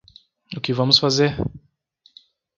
O que vamos fazer?